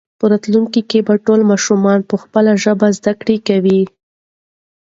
په راتلونکي کې به ټول ماشومان په خپله ژبه زده کړه کوي.